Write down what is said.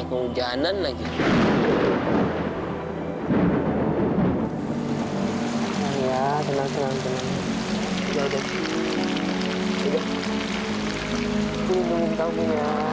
aku masih menunggu sita ma